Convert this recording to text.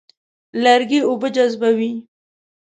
لرګی اوبه جذبوي.